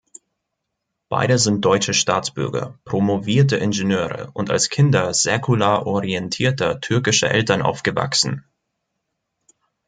Beide sind deutsche Staatsbürger, promovierte Ingenieure und als Kinder säkular orientierter türkischer Eltern aufgewachsen.